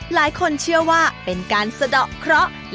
หลายคนเชื่อว่าเป็นการสะดอกเคราะห์